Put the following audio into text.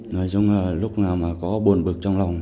nói chung là lúc nào có buồn bực trong lòng